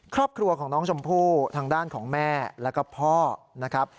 ครอบครัวของน้องชมพู่ทางด้านของแม่แล้วก็พ่อนะครับ